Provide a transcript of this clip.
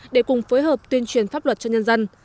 để cùng phối hợp tuyên truyền pháp luật cho nhân dân